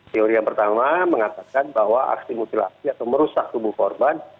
teori yang pertama mengatakan bahwa aksi mutilasi atau merusak tubuh korban